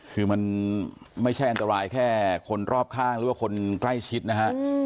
คือมันไม่ใช่อันตรายแค่คนรอบข้างหรือว่าคนใกล้ชิดนะฮะ